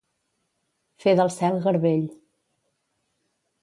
Fer del cel garbell.